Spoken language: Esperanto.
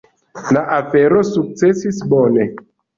La afero sukcesis bone.